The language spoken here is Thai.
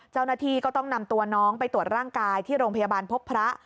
เจ้าหน้าที่ก็ต้องนำตัวน้องไปตรวจร่างกายที่โรงพยาบาลพบพระ